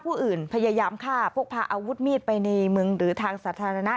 ผู้อื่นพยายามฆ่าพกพาอาวุธมีดไปในเมืองหรือทางสาธารณะ